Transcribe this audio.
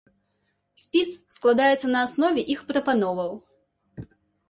Спіс складаецца на аснове іх прапановаў.